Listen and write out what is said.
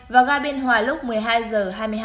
và gà biên hòa lúc một mươi hai giờ hai mươi hai